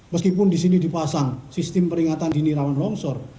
meskipun di sini dipasang sistem peringatan dinirawan longsor